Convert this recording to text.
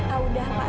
ah udah pak